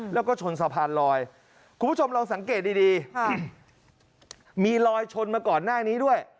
แล้วก็ชนสะพานลอยคุณผู้ชมลองสังเกตดีมีรอยชนมาก่อนหน้านี้ด้วย